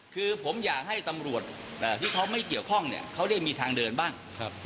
คือผมอยากให้ตำรวจที่เขาไม่เกี่ยวข้องเนี่ยเขาได้มีทางเดินบ้าง